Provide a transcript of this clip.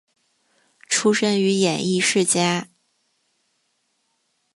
出身于演艺世家。